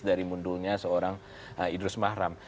dari mundurnya seorang idrus mahram